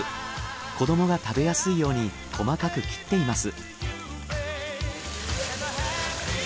子どもが食べやすいように細かく切っています。